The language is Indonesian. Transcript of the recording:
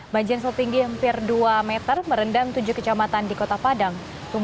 banjir setinggi hampir dua meter merendam tujuh kecamatan di kota padang